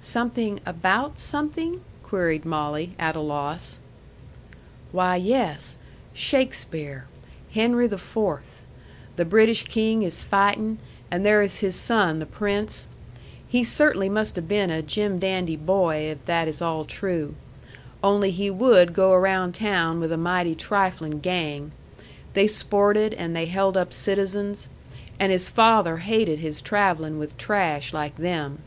"Something ABOUT something?" queried Molly, at a loss. "Why, yes. Shakespeare. HENRY THE FOURTH. The British king is fighting, and there is his son the prince. He cert'nly must have been a jim dandy boy if that is all true. Only he would go around town with a mighty triflin' gang. They sported and they held up citizens. And his father hated his travelling with trash like them.